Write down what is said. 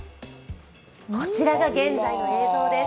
こちらが現在の映像です。